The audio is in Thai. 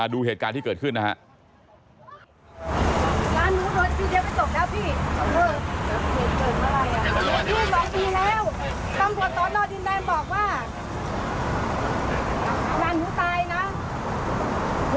ดูเหตุการณ์ที่เกิดขึ้นนะครับ